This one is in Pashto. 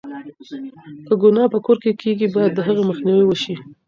که گناه په کور کې کېږي، بايد د هغې مخنيوی وشي.